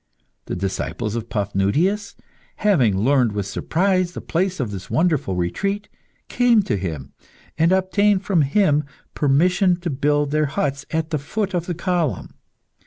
The disciples of Paphnutius, having learned with surprise the place of this wonderful retreat, came to him, and obtained from him permission to build their huts at the foot of the column.